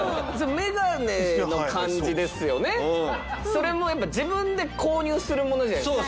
それもやっぱ自分で購入するものじゃないですか。